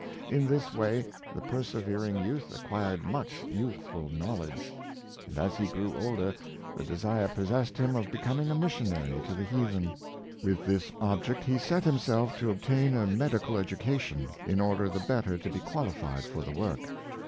In this way the persevering youth ac quired much useful knowledge; and as he grew older, the desire possessed him of becoming a missionary to the heathen. With this object he set himself to obtain a medical education, in order the better to be qualified for the work.